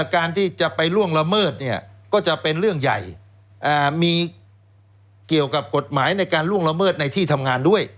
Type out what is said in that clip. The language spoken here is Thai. การที่จะไปล่วงละเมิดเนี่ยก็จะเป็นเรื่องใหญ่มีเกี่ยวกับกฎหมายในการล่วงละเมิดในที่ทำงานด้วย